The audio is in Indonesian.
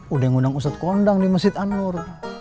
udah ngundang ustadz kondang di masjid an nur